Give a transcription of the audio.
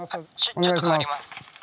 お願いします。